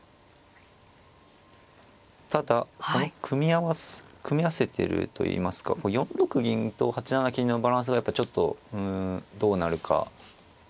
ただその組み合わせてるといいますか４六銀と８七金のバランスがやっぱちょっとどうなるか。